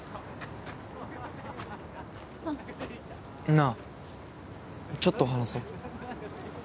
なあちょっと話そ。